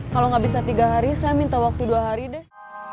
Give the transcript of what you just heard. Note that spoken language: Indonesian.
kalau nggak bisa tiga hari saya minta waktu dua hari deh